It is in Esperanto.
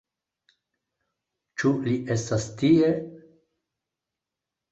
Ĉu li estas tie?